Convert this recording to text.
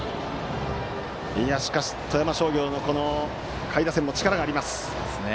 しかし富山商業の下位打線も力があります。